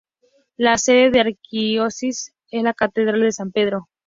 La sede de la Arquidiócesis es la Catedral de San Pedro.